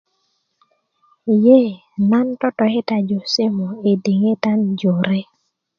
ye nan totokitaju simu i diŋitan jore